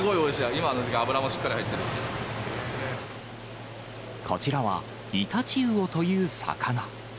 今の時期、脂もしっかり入ってるこちらはイタチウオという魚。